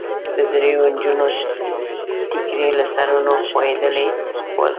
د ډېریو نجونو ټیکري له سرونو خوېدلي ول.